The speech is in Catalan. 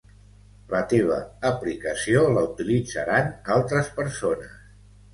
La teva aplicació la utilitzaran altres persones.